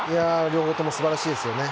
両方とも素晴らしいですよね。